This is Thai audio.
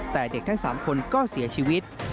แต่เด็กทั้ง๓คนก็เสียชีวิต